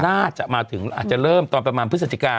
น่าจะมาถึงอาจจะเริ่มตอนประมาณพฤศจิกา